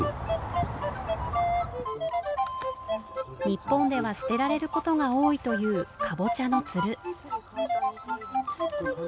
日本では捨てられることが多いというカボチャのツル。